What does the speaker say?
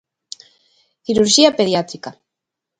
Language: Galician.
Cirurxía pediátrica.